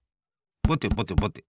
ぼてぼてぼて。